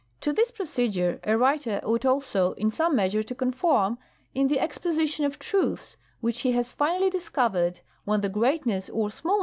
To this procedure a writer ought also in some measure to conform, in the exposition of truths which he has finally discovered, when the greatness or smal!